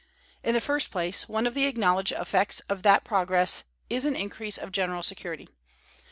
In the first place, one of the acknowledged effects of that progress is an increase of general security.